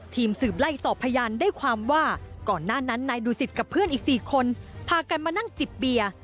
ทีมสืบไล่สอบพยานได้ความว่าก่อนหน้านั้นนายดูสิตกับเพื่อนอีก๔คนพากันมานั่งจิบเบียร์